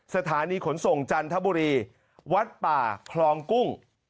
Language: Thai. สถานีขนส่งจันทบุรีวัดป่าคลองกุ้ง